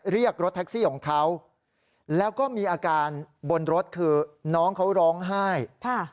เรียกรถแท็กซี่ของเขาแล้วก็มีอาการบนรถคือน้องเขาร้องไห้ค่ะ